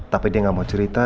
tapi dia nggak mau cerita